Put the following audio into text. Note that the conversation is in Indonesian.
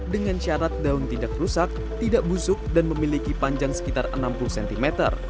dengan syarat daun tidak rusak tidak busuk dan memiliki panjang sekitar enam puluh cm